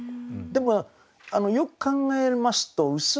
でもよく考えますと「羅」